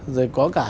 rồi có cả